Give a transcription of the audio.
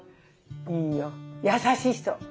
いいよ優しい人。